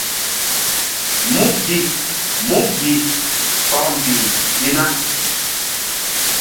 Mú gi! Mú gi! Kɔkmbih i na.